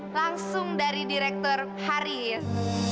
langsung dari direktur haris